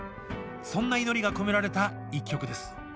そんな祈りが込められた１曲です。